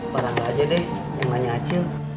wah rangga aja deh yang nanya acil